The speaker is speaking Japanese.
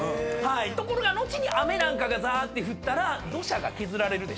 ところが後に雨なんかが降ったら土砂が削られるでしょ。